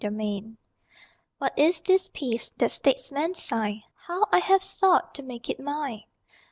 PEACE What is this Peace That statesmen sign? How I have sought To make it mine.